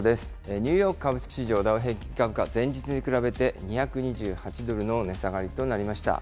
ニューヨーク株式市場、ダウ平均株価、前日に比べて２２８ドルの値下がりとなりました。